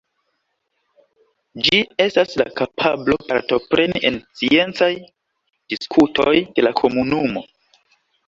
Ĝi estas la kapablo partopreni en sciencaj diskutoj de la komunumo.